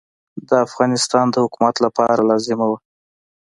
د افغانستان د حکومت لپاره لازمه وه.